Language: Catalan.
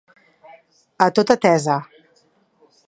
A tota tesa.